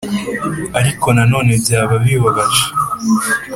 ariko nanone byaba bibabaje